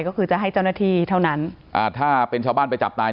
ก็คือจะให้เจ้าหน้าที่เท่านั้นอ่าถ้าเป็นชาวบ้านไปจับตาย